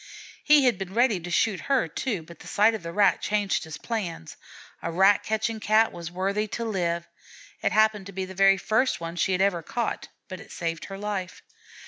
He had been ready to shoot her, too, but the sight of that Rat changed his plans: a rat catching Cat was worthy to live. It happened to be the very first one she had ever caught, but it saved her life.